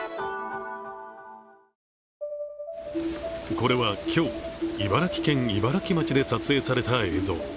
これは今日、茨城県茨城町で撮影された映像。